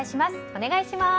お願いします。